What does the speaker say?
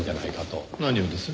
何をです？